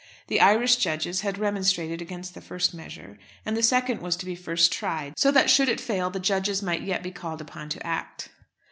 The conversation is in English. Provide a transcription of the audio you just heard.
The Irish judges had remonstrated against the first measure, and the second was to be first tried, so that should it fail the judges might yet be called upon to act.